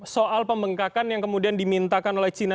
soal pembengkakan yang kemudian dimintakan oleh cina